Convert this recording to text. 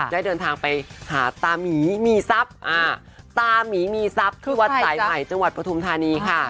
ได้เดินทางไปหาตามีมีทรัพย์ตามีมีทรัพย์ที่วัดสายใหม่จังหวัดปฐุมธานีค่ะ